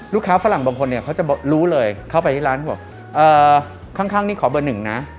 ลูกค้าฝรั่งบางคนเขาจะรู้เลยเข้าไปที่ร้านบอกข้างนี่ขอเบอร์๑นะ